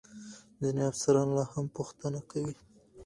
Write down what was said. ځینې افسران لا هم پوښتنه کوي.